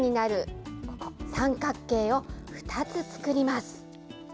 耳になる三角形を２つ作ります。